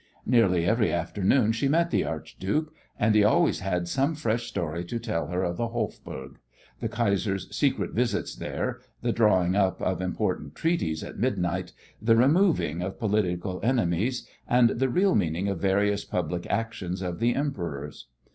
Nearly every afternoon she met the archduke, and he always had some fresh story to tell her of the Hofburg the Kaiser's secret visits there, the drawing up of important treaties at midnight, the "removing" of political enemies, and the real meaning of various public actions of the emperor's.